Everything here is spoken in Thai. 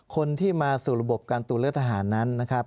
คนที่มาสู่ระบบการตรวจเลือกทหารนั้น